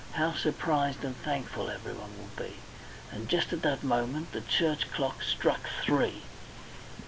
How surprised and thankful everyone will be!" And just at that moment the church clock struck three.